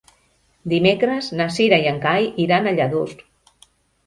Dimecres na Cira i en Cai iran a Lladurs.